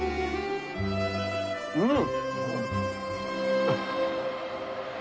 うん！